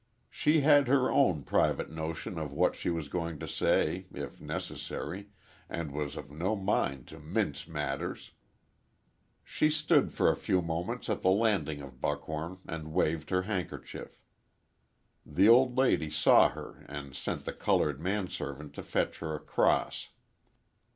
She had her own private notion of what she was going to say, if necessary, and was of no mind to "mince matters." She stood for a few moments at the landing on Buckhom and waved her handkerchief. The old lady saw her and sent the colored manservant to fetch her across.